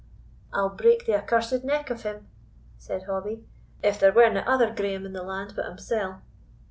"I'll break the accursed neck of him," said Hobbie, "if there werena another Graeme in the land but himsell!"